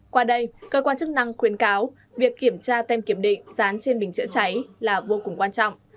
qua đây cơ quan chức năng khuyến cáo việc kiểm tra tem kiểm định dán trên bình chữa cháy là vô cùng quan trọng